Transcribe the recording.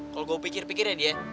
kalau gue pikir pikir ya di ya